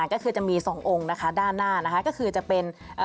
ก็คือจะมีสององค์นะคะด้านหน้านะคะก็คือจะเป็นเอ่อ